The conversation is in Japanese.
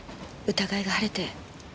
疑いが晴れて。